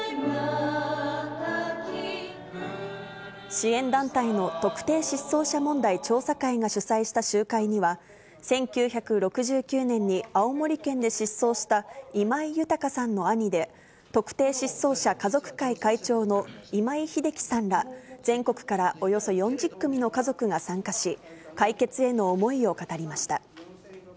支援団体の特定失踪者問題調査会が主催した集会には、１９６９年に青森県で失踪した今井裕さんの兄で、特定失踪者家族会会長の今井英輝さんら、全国からおよそ４０組の家族が参加し、解決への思いを語りました。